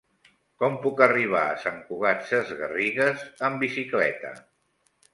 Com puc arribar a Sant Cugat Sesgarrigues amb bicicleta?